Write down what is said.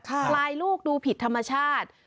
คลายลูกดูผิดธรรมชาติ